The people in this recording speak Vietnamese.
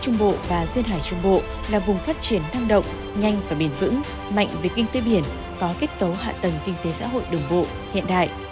hàng xuyên hải trung bộ là vùng phát triển năng động nhanh và bình tĩnh mạnh về kinh tế biển có kết cấu hạ tầng kinh tế xã hội đồng bộ hiện đại